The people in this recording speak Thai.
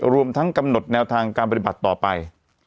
รวมทั้งกำหนดแนวทางการปฏิบัติต่อไป